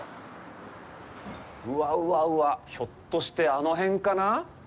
うわ、うわ、うわ、ひょっとしてあの辺かな？